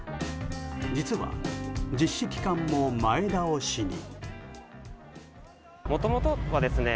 実は、実施期間も前倒しに。